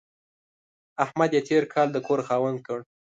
احمد يې تېر کال د کور خاوند کړ.